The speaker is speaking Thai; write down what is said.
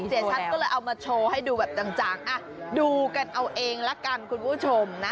เสียชัดก็เลยเอามาโชว์ให้ดูแบบจังดูกันเอาเองละกันคุณผู้ชมนะ